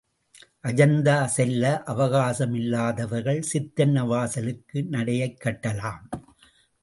அஜந்தா செல்ல அவகாசம் இல்லாதவர்கள் சித்தன்ன வாசலுக்கு நடையைக் கட்டலாம்.